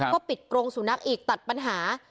ก็ปิดกรงสุนัขอีกตัดปัญหา